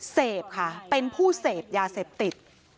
เสพค่ะเป็นผู้เสพยาเสพติด